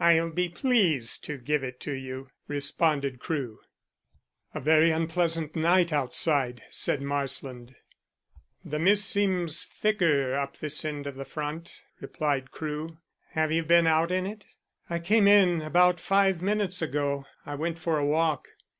"I'll be pleased to give it to you," responded Crewe. "A very unpleasant night outside," said Marsland. "The mist seems to be thicker up this end of the front," replied Crewe. "Have you been out in it?" "I came in about five minutes ago. I went for a walk."